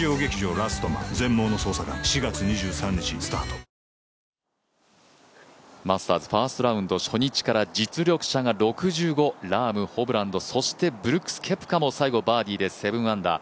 そんなどっちかに偏ってるって感じはしないんですけどマスターズファーストラウンド初日から実力者が６５、ラーム、ホブランドそしてブルックス・ケプカも最後バーディーで７アンダー。